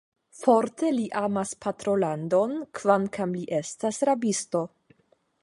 Forte li amas patrolandon, kvankam li estas rabisto.